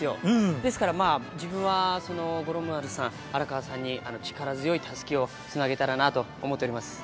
ですから、自分は五郎丸さん、荒川さんに、力強いたすきをつなげたらなと思っております。